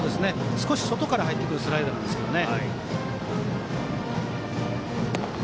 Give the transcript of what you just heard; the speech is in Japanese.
少し外から入ってくるスライダーなんですけどね。